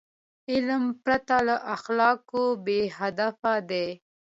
علم پرته له اخلاقو بېهدفه دی.